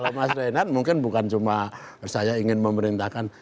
kalau mas reinhardt mungkin bukan cuma saya ingin memerintahkan